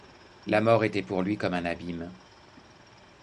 La mort était pour lui comme un abîme.